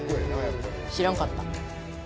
知らんかった。